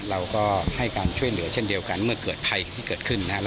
เราก็ให้การช่วยเหลือเช่นเดียวกันเมื่อเกิดภัยที่เกิดขึ้นนะครับ